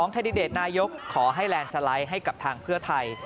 แคนดิเดตนายกขอให้แลนด์สไลด์ให้กับทางเพื่อไทย